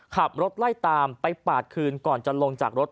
ขับรถไล่ตามไปปาดคืนก่อนจะลงจากรถ